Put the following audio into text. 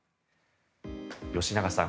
吉永さん